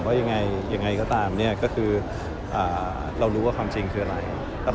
ว่ายังไงก็ตามก็คือเรารู้ว่าความจริงคืออะไร